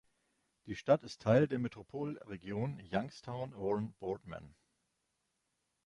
Die Stadt ist Teil der Metropolregion Youngstown–Warren–Boardman.